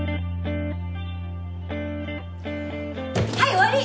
はい終わり！